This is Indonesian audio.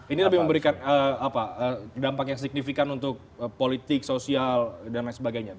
ini lebih memberikan dampak yang signifikan untuk politik sosial dsb